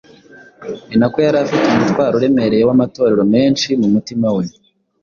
ni nako yari afite umutwaro uremereye w’amatorero menshi mu mutima we.